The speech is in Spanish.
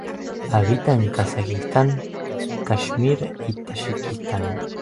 Habita en Kazajistán, Kashmir y Tayikistán.